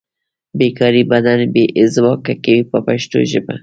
بې کاري بدن بې ځواکه کوي په پښتو ژبه.